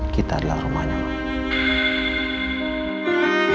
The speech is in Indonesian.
kita adalah rumahnya mak